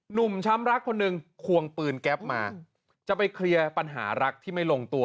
ช้ำรักคนหนึ่งควงปืนแก๊ปมาจะไปเคลียร์ปัญหารักที่ไม่ลงตัว